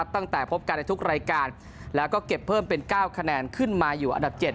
ตั้งแต่พบกันในทุกรายการแล้วก็เก็บเพิ่มเป็น๙คะแนนขึ้นมาอยู่อันดับ๗